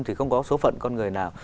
thì không có số phận con người nào